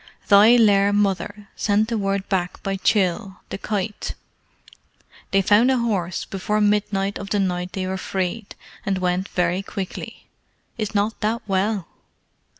"Thy lair mother sent the word back by Chil, the Kite. They found a horse before midnight of the night they were freed, and went very quickly. Is not that well?"